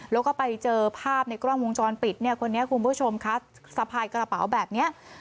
แล้วก็ไปเจอภาพในกล้องวงจรปิดเนี่ยคนนี้คุณผู้ชมคะสะพายกระเป๋าแบบนี้